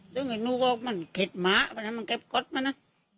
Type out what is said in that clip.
ซึ่งอันนู้นก็มันเข็ดหมาไปนะมันเก็บกดมาน่ะ